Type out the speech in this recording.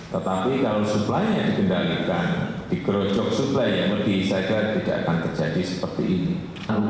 tetapi kalau suplainya dikendalikan dikerocok suplai yang lebih segar tidak akan terjadi seperti ini